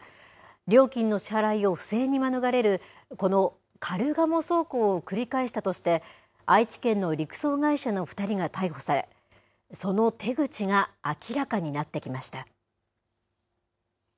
料金の支払いを不正に免れる、このカルガモ走行を繰り返したとして、愛知県の陸送会社の２人が逮捕され、その手口が明らかになってきました。